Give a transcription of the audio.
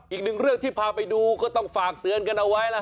อีกหนึ่งเรื่องที่พาไปดูก็ต้องฝากเตือนกันเอาไว้